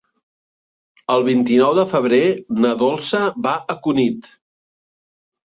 El vint-i-nou de febrer na Dolça va a Cunit.